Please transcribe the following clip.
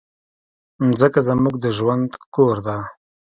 مځکه زموږ د ژوند کور ده.